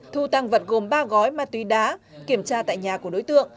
thu tăng vật gồm ba gói ma túy đá kiểm tra tại nhà của đối tượng